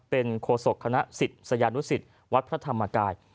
เป็นโคศกศิษย์สยานุศิษย์วัดพระธรรมกาย